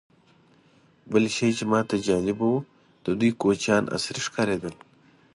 بل شی چې ماته جالبه و، د دوی کوچیان عصري ښکارېدل.